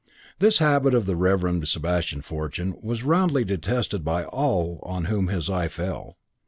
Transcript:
This habit of the Reverend Sebastian Fortune was roundly detested by all on whom his eye fell.